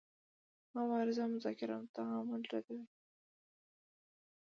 دا مبارزه مذاکره او تعامل ردوي.